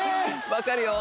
分かるよ